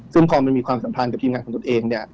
ซึ่งพอมันมีความสัมพันธ์กับทีมงานของตนเองเนี่ย